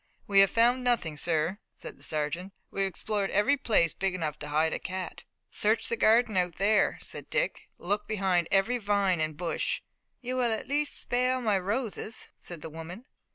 "We have found nothing, sir," said the sergeant. "We've explored every place big enough to hide a cat." "Search the garden out there," said Dick. "Look behind every vine and bush." "You will at least spare my roses," said the woman.